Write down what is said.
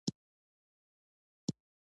پسرلی د افغانستان د اجتماعي جوړښت برخه ده.